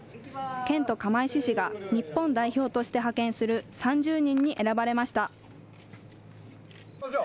県と釜石市が日本代表として派遣する３０人に選ばれました。